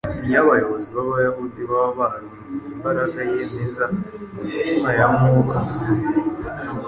Iyo abayobozi b’Abayahudi baba barumviye imbaraga yemeza imitima ya Mwuka Muziranenge